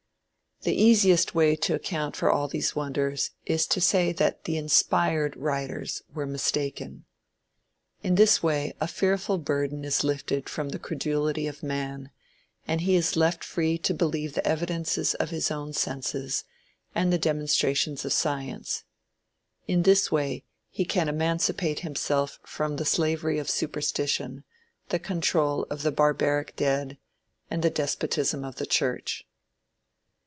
The easiest way to account for all these wonders is to say that the "inspired" writers were mistaken. In this way a fearful burden is lifted from the credulity of man, and he is left free to believe the evidences of his own senses, and the demonstrations of science. In this way he can emancipate himself from the slavery of superstition, the control of the barbaric dead, and the despotism of the church.